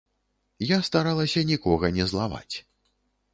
Я старалася нікога не злаваць.